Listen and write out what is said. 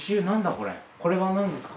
これは何ですか？